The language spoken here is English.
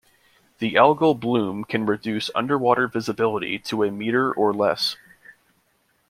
The algal bloom can reduce underwater visibility to a meter or less.